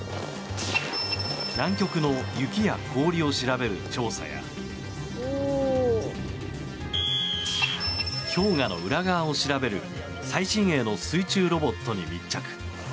南極の雪や氷を調べる調査や氷河の裏側を調べる最新鋭の水中ロボットに密着。